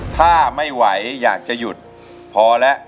ถ้าไม่ไหวอยากจะหยุดพอแล้ว